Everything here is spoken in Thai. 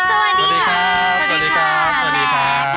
สวัสดีค่ะ